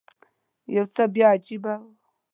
یو څه بیا عجیبه و.